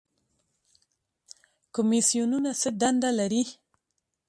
کمیسیونونه څه دنده لري؟